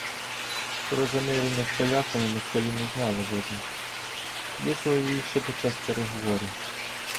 Про замирення з поляками москалі не знали — вцдно, вислали їх ще під час переговорів.